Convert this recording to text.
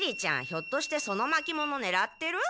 ひょっとしてそのまきものねらってる？